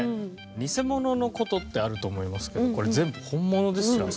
偽物の事ってあると思いますけどこれ全部本物ですよ飛鳥さん。